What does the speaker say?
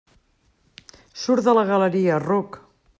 Surt de la galeria, ruc!